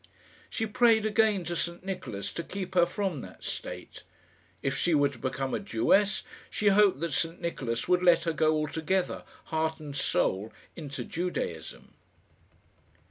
She prayed again to St Nicholas to keep her from that state. If she were to become a Jewess, she hoped that St Nicholas would let her go altogether, heart and soul, into Judaism.